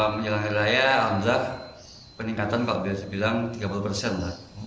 menjelang hari raya alhamdulillah peningkatan kalau bisa dibilang tiga puluh persen lah